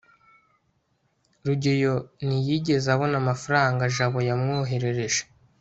rugeyo ntiyigeze abona amafaranga jabo yamwoherereje